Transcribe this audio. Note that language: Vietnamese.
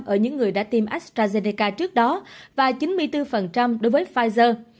ở những người đã tiêm astrazeneca trước đó và chín mươi bốn đối với pfizer